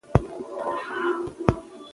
که تشویق وي نو استعداد نه مري.